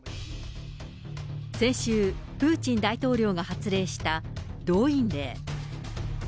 先週、プーチン大統領が発令した動員令。